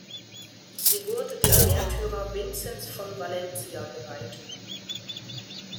Sie wurde dem Märtyrer Vinzenz von Valencia geweiht.